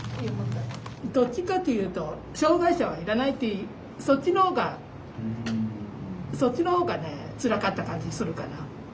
どっちかっていうと障害者はいらないっていうそっちの方がそっちの方がねつらかった感じするかな。